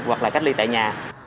hoặc cách ly tại nhà